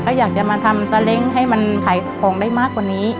ก็อยากจะมาทำตาเล้งให้มันขายของได้มากกว่านี้